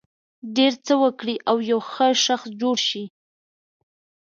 ډېر څه وکړي او یو ښه شخص جوړ شي.